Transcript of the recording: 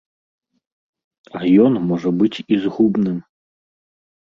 А ён можа быць і згубным.